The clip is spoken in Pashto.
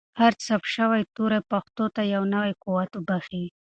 هر ثبت شوی توری پښتو ته یو نوی قوت بښي.